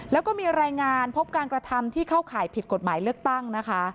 แล้วก็มีรายงานพบการกระทำที่เข้าข่ายผิดกฎหมายเลือกตั้งนะคะ